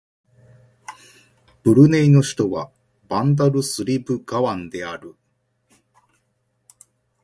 ブルネイの首都はバンダルスリブガワンである